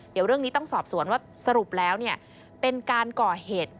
เดี๋ยวเรื่องนี้ต้องสอบสวนว่าสรุปแล้วเป็นการก่อเหตุ